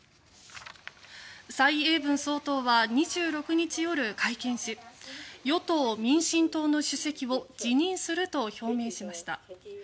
台湾の蔡英文総統は２６日夜、会見し与党・民進党の主席を辞任すると表明しました。